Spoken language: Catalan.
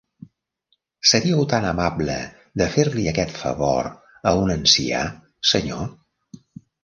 Seríeu tan amable de fer-li aquest favor a un ancià, senyor?